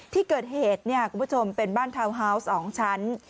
ที่เกิดเหตุคุณผู้ชมเป็นบ้านทาวน์ฮาวส์๒ชั้น